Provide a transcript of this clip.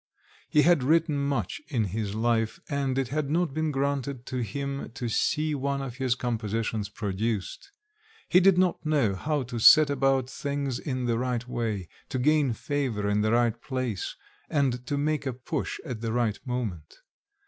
He had written much in his life, and it had not been granted to him to see one of his compositions produced; he did not know how to set about things in the right way, to gain favour in the right place, and to make a push at the right moment.